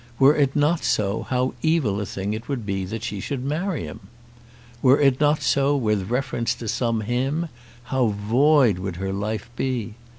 Were it not so how evil a thing it would be that she should marry him! Were it not so with reference to some "him", how void would her life be!